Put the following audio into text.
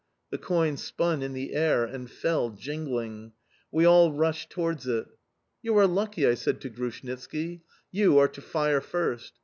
The coin spun in the air and fell, jingling. We all rushed towards it. "You are lucky," I said to Grushnitski. "You are to fire first!